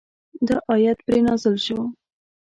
دا آیت پرې نازل شو.